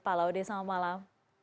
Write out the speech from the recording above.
pak laude selamat malam